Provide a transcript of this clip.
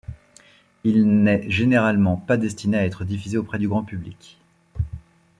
Il n'est généralement pas destiné à être diffusé auprès du grand public.